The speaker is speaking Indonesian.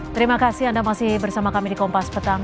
terima kasih anda masih bersama kami di kompas petang